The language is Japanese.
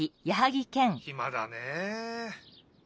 ひまだねえ。